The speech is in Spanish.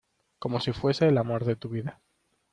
como si fuese el amor de tu vida.